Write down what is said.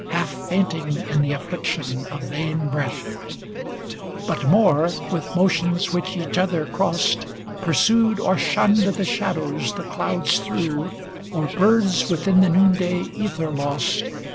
Half fainting in the affliction of vain breath; 61 But more, with motions which each other crossed. Pursued or shunned the shadows the clouds threw Or birds within the noonday ether lost.